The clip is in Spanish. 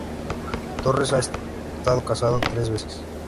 Torres, ha estado casado tres veces.